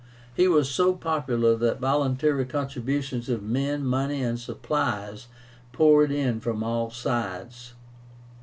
He was so popular that voluntary contributions of men, money, and supplies poured in from all sides.